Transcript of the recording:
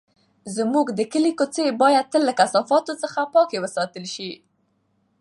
زموږ د کلي کوڅې باید تل له کثافاتو څخه پاکې وساتل شي.